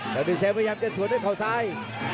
แล้วดินแซมพยายามจะสวนด้วยเขาซ้าย